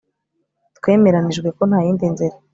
Twemeranijwe ko ntayindi nzira